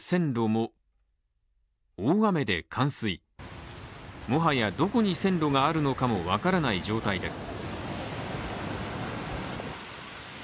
もはやどこに線路があるのかも分からない状態です。